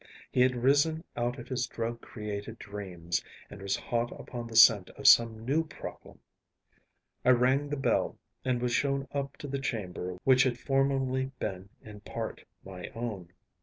He had risen out of his drug created dreams and was hot upon the scent of some new problem. I rang the bell and was shown up to the chamber which had formerly been in part my own.